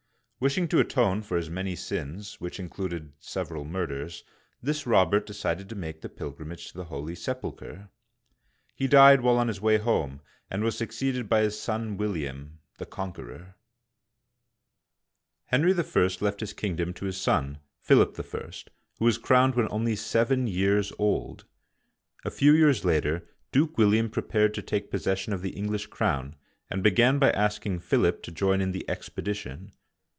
Wishing to atone for his many sins, — which included several murders, — this Robert decided to make a pilgrimage to the Holy Sepulcher. He died while on his way home, and was suc ceeded by his son William ^the Conqueror). Digitfeed by VjOOQIC io8 OLD FRANCE Henry I. left his kingdom to his son Philip I. (1060), who was crowned when only seven years old. A few years later Duke William prepared to take possession of the English crown, and began by asking Philip to join in the expedition.